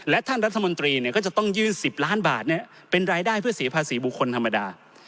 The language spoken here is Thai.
และท่านรัฐมนตรีก็จะต้องยื่น๑๐ล้านบาทเป็นรายได้เพื่อเสียภาษีบุคคลธรรมดา